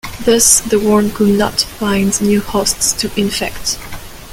Thus, the worm could not find new hosts to infect.